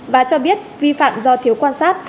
và cho biết vi phạm do thiếu quan sát